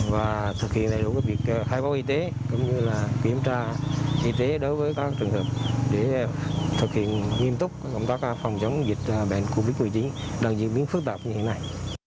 và thực hiện đầy đủ việc khai báo y tế cũng như kiểm tra y tế đối với các trường hợp để thực hiện nghiêm túc công tác phòng chống dịch bệnh covid một mươi chín đang diễn biến phức tạp như hiện nay